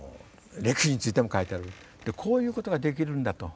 こういうことができるんだと。